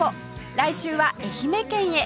来週は愛媛県へ